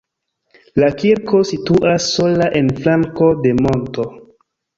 La kirko situas sola en flanko de monto.